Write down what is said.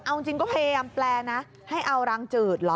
เอาจริงก็พยายามแปลนะให้เอารังจืดเหรอ